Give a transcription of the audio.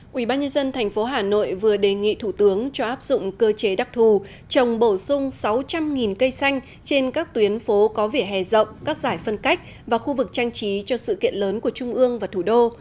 quỹ ban nhân dân thành phố hà nội vừa đề nghị thủ tướng cho áp dụng cơ chế đặc thù trồng bổ sung sáu trăm linh cây xanh trên các tuyến phố có vỉa hè rộng các giải phân cách và khu vực trang trí cho sự kiện lớn của trung ương và thủ đô